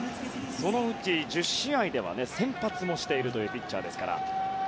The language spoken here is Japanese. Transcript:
そのうち１０試合では先発もしているピッチャーですから。